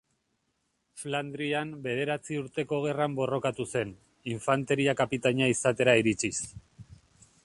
Flandrian Bederatzi Urteko Gerran borrokatu zen, infanteria kapitaina izatera iritsiz.